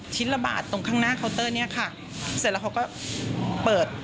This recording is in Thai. ระบาดตรงข้างหน้าเคาน์เตอร์เนี้ยค่ะเสร็จแล้วเขาก็เปิด